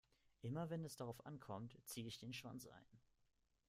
Immer wenn es darauf ankommt, ziehe ich den Schwanz ein.